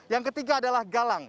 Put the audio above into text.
yang ketiga adalah galang